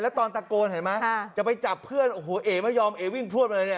ตอนตะโกนเห็นไหมจะไปจับเพื่อนโอ้โหเอ๋ไม่ยอมเอวิ่งพลวดมาเลยเนี่ย